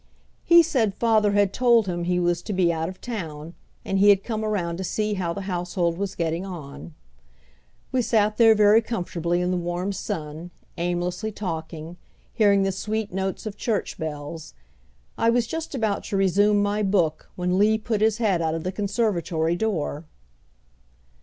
He said father had told him he was to be out of town, and he had come around to see how the household was getting on. We sat there very comfortably in the warm sun, aimlessly talking, hearing the sweet notes of church bells. I was just about to resume my book when Lee put his head out of the conservatory door.